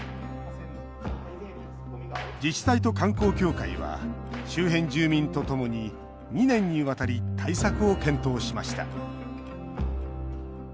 自治体と観光協会は周辺住民とともに２年にわたり対策を検討しました。